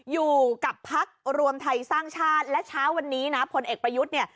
อยู่กับพักรวมไทยสร้างชาติและเช้าวันนี้นะพลเอกประยุทธ์เนี่ย